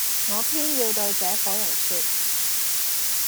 我偏要對這夥人説，